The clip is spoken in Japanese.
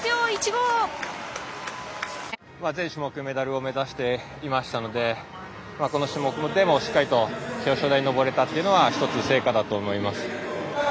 全種目メダルを目指していましたのでこの種目でも、しっかりと表彰台に上れたのは一つの成果だと思います。